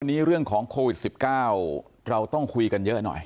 วันนี้เรื่องของโควิด๑๙เราต้องคุยกันเยอะหน่อย